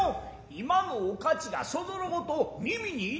今のおかちがそぞろ事耳に入ってか。